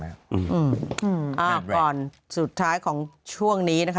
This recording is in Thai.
เอาค่ะสุดท้ายของช่วงนี้นะคะ